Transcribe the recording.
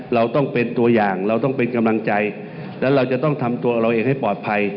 เราต้องเป็นตัวอย่างเราต้องเป็นกำลังใจและเราจะต้องทำตัวเราเองให้ปลอดภัย